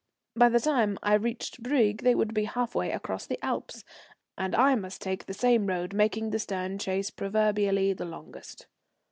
By the time I reached Brieg they would be halfway across the Alps, and I must take the same road, making a stern chase, proverbially the longest.